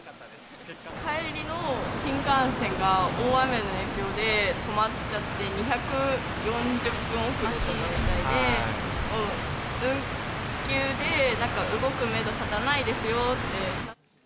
帰りの新幹線が大雨の影響で止まっちゃって、２４０分遅れとかみたいで、運休で、なんか動くメド立たないですよって。